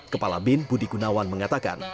kepala bin budi gunawan mengatakan